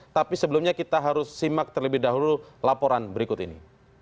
tapi sebelumnya kita harus simak terlebih dahulu laporan berikut ini